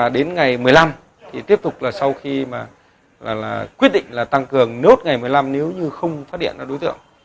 đến ngày một mươi năm tiếp tục sau khi quyết định tăng cường nốt ngày một mươi năm nếu như không phát điện đối tượng